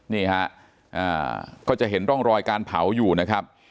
นี่ฮะก็จะเห็นร่องรอยการเผาอยู่นะครับ